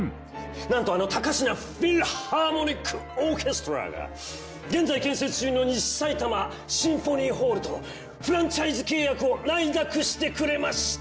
なんとあの高階フィルハーモニック・オーケストラが現在建設中の西さいたまシンフォニーホールとのフランチャイズ契約を内諾してくれました！